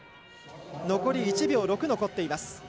残り１秒６残っています。